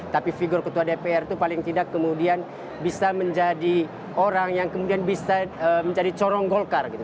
tapi figur ketua dpr itu paling tidak kemudian bisa menjadi orang yang kemudian bisa menjadi corong golkar gitu